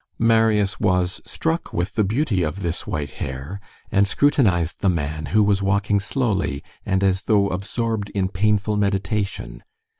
Marius was struck with the beauty of this white hair, and scrutinized the man, who was walking slowly and as though absorbed in painful meditation.